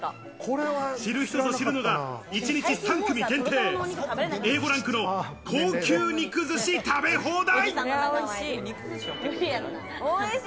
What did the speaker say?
知る人ぞ知るのが、一日三組限定、Ａ５ランクの高級肉寿司食べ放題。